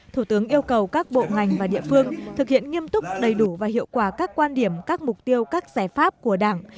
thủ tướng yêu cầu các bộ ngành và địa phương thực hiện nghiêm túc đầy đủ và hiệu quả các quan điểm các mục tiêu các giải pháp của đảng